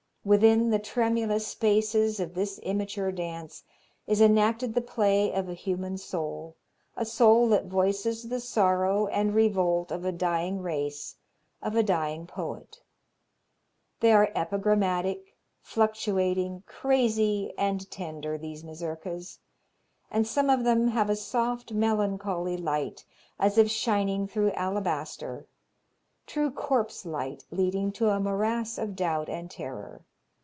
Within the tremulous spaces of this immature dance is enacted the play of a human soul, a soul that voices the sorrow and revolt of a dying race, of a dying poet. They are epigrammatic, fluctuating, crazy, and tender, these Mazurkas, and some of them have a soft, melancholy light, as if shining through alabaster true corpse light leading to a morass of doubt and terror.